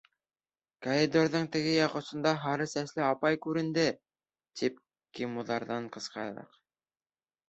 Коридорҙың теге яҡ осонда һары сәсле апай күренде. — тип кемуҙарҙан ҡысҡырҙыҡ.